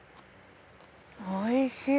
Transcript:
おいしい。